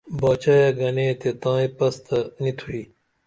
باچا گنے تے تائیں پس تہ نی تُھوئی